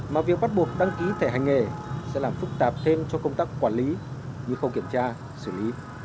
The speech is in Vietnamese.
mà việc bắt buộc đăng ký thẻ hành nghề sẽ làm phức tạp thêm cho công tác quản lý như không kiểm tra xử lý